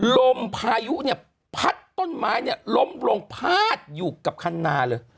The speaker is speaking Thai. ลมพายุเนี่ยพัดต้นไม้เนี่ยล้มลงพาดอยู่กับคันนาเลย